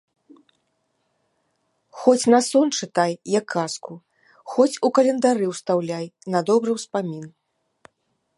Хоць на сон чытай, як казку, хоць у календары ўстаўляй, на добры ўспамін!